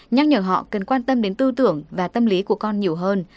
nhắc nhở họ cần quan tâm đến tư tưởng và tâm lý của con nhiều hơn